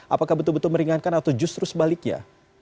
apakah betul betul meringankan atau justru sebaliknya